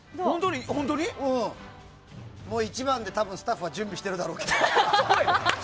１番でスタッフは準備してるだろうけど。